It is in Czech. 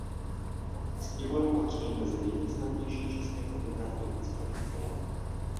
Stibor patřil mezi nejvýznamnější české fotografy lidského těla.